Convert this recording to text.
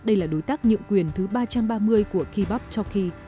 đây là đối tác nhượng quyền thứ ba trăm ba mươi của kibak toki